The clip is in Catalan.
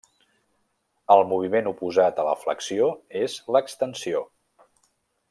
El moviment oposat a la flexió és l'extensió.